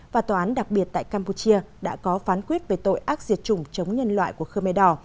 và tòa án đặc biệt tại campuchia đã có phán quyết về tội ác diệt chủng chống nhân loại của khơ mê đỏ